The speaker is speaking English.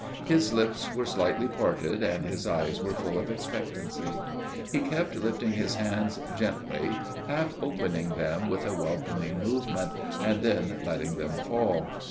His lips were slightly parted; and his eyes were full of expectancy. He kept lifting his hands gently, half opening them with a welcoming movement, and then letting them fall.